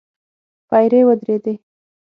پيرې ودرېدې.